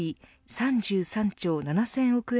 ３３兆７０００億円